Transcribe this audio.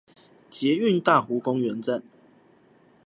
捷運大湖公園站